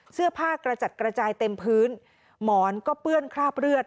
เสื้อผ้ากระจัดกระจายเต็มพื้นหมอนก็เปื้อนคราบเลือด